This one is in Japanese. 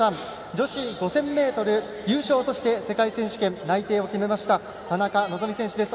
女子５０００ｍ優勝世界選手権内定を決めました田中希実選手です。